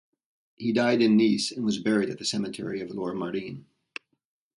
He died in Nice and was buried at the cemetery of Lourmarin.